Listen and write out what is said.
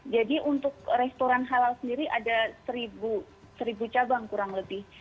jadi untuk restoran halal sendiri ada seribu cabang kurang lebih